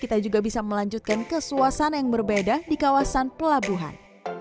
kita juga bisa melanjutkan ke suasana yang berbeda di kawasan pelabuhan